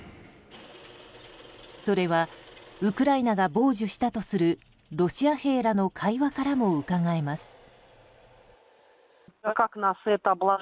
それはウクライナが傍受したとするロシア兵らの会話からもうかがえます。